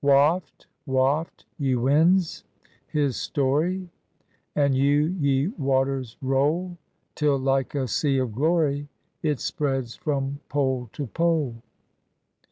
Waft, waft, ye winds, his story, And you, ye waters, roll, Till, like a sea of glory, It spreads from pole to pole.''